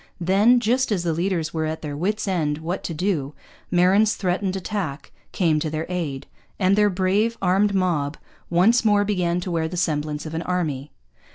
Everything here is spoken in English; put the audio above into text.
Then, just as the leaders were at their wits' ends what to do, Marin's threatened attack came to their aid; and their brave armed mob once more began to wear the semblance of an army.